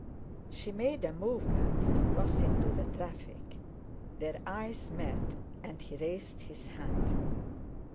She made a movement to cross into the traffic. Their eyes met, and he raised his hat.